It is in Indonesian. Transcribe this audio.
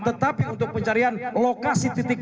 tetapi untuk pencarian lokal kita akan mengambil alih alih